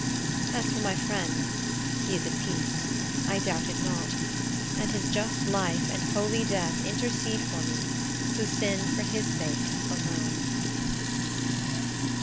As for my friend, he is at peace, I doubt not; and his just life and holy death intercede for me, who sinned for his sake alone.